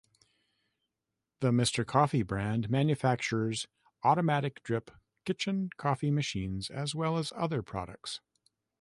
The Mr. Coffee brand manufactures automatic-drip kitchen coffee machines as well as other products.